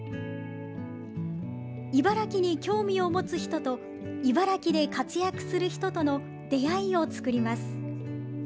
茨城に興味を持つ人と茨城で活躍する人との出会いを作ります。